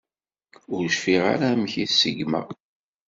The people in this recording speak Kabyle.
Ur cfiɣ ara amek i t-seggemeɣ.